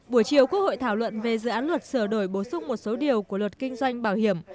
buổi chiều quốc hội thảo luận về dự án luật sửa đổi bổ sung một số điều của luật kinh doanh bảo hiểm